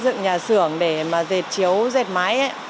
dựng nhà xưởng để mà dệt chiếu dệt máy ấy